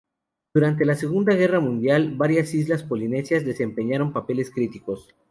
Durante la Segunda Guerra Mundial, varias islas polinesias desempeñaron papeles críticos.